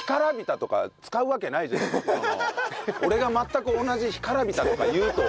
俺が全く同じ「干からびた」とか言うと思う？